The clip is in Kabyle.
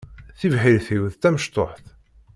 Tibḥirt-iw d tamecṭuḥt.